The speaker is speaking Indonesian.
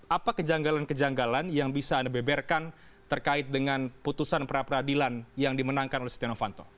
apa kejanggalan kejanggalan yang bisa anda beberkan terkait dengan putusan pra peradilan yang dimenangkan oleh setia novanto